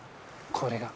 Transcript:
これが。